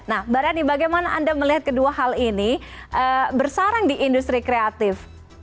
nah mbak rani bagaimana anda melihat kedua hal ini bersarang di industri kreatif